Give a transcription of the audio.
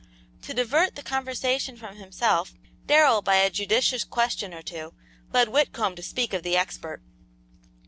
To divert the conversation from himself, Darrell, by a judicious question or two, led Whitcomb to speak of the expert.